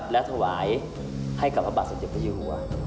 และถวายให้กับพระบาทสัตวิปัชฌีหัว